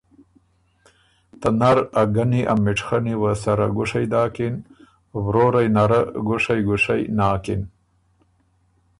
ته نر ا ګنی ا مِټخنی وه سره ګُشئ داکِن ورورئ نره ګُشئ ګُشئ ناکِن